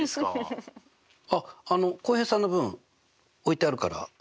あっ浩平さんの分置いてあるから。